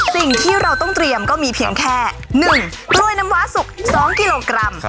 สิ่งที่เราต้องเตรียมก็มีเพียงแค่๑กล้วยน้ำว้าสุก๒กิโลกรัม